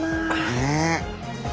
ねえ。